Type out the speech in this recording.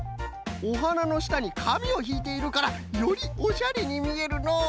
おはなのしたにかみをしいているからよりおしゃれにみえるのう！